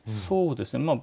そうですね